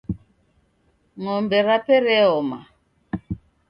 Ng'ombe rape reoma.